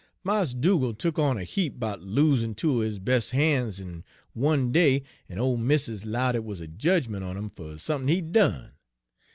Mars Dugal' tuk on a heap 'bout losin' two er his bes' han's in one day, en ole missis lowed it wuz a jedgment on 'im fer sump'n he'd done.